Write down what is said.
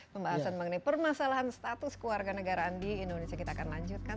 pembahasan mengenai permasalahan status keluarga negaraan di indonesia kita akan lanjutkan